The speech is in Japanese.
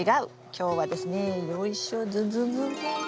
今日はですねよいしょズズズズズ。